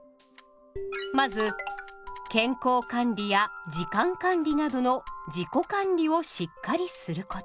まず健康管理や時間管理などの自己管理をしっかりすること。